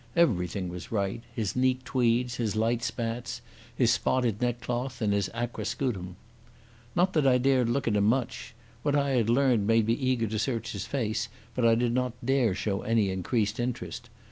Everything was right—his neat tweeds, his light spats, his spotted neckcloth, and his aquascutum. Not that I dared look at him much. What I had learned made me eager to search his face, but I did not dare show any increased interest.